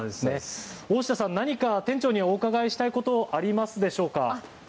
大下さん、店長にお伺いしたいことありますでしょうか？